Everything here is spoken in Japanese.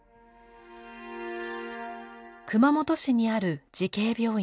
熊本市にある慈恵病院。